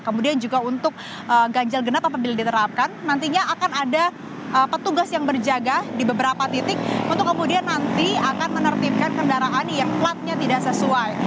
kemudian juga untuk ganjil genap apabila diterapkan nantinya akan ada petugas yang berjaga di beberapa titik untuk kemudian nanti akan menertibkan kendaraan yang platnya tidak sesuai